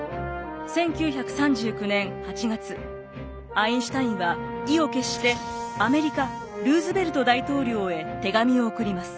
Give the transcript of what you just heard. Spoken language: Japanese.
アインシュタインは意を決してアメリカルーズベルト大統領へ手紙を送ります。